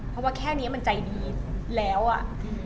เพราะว่าแค่นี้มันใจดีแล้วอ่ะ